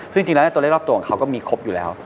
ซึ่งจริงแล้วตัวเลขรอบตัวของเขาก็มีครบอยู่แล้ว